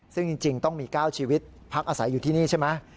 ซึ่งจริงต้องมี๙ชีวิตพักอาศัยอยู่ที่นี่ใช่ไหม